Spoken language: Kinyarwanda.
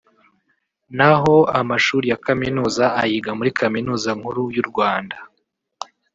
naho amashuri ya Kaminuza ayiga muri Kaminuza Nkuru y’u Rwanda